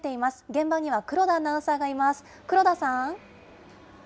現場には黒田アナウンサーがいます。